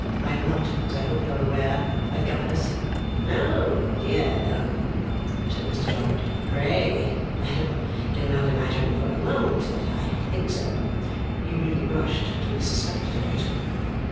I am not, as I hope you are aware, a governess ' 'O dear no!' said Mr Dorrit. 'Pray, madam, do not imagine for a moment that I think so.' He really blushed to be suspected of it.